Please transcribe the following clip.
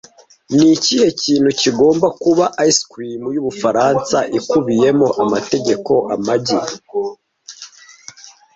Ni ikihe kintu kigomba kuba ice cream yubufaransa ikubiyemo amategeko Amagi